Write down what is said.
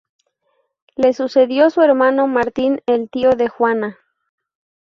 Le sucedió su hermano Martín, el tío de Juana.